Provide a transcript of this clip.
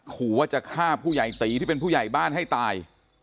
ขู่ว่าจะฆ่าผู้ใหญ่ตีที่เป็นผู้ใหญ่บ้านให้ตาย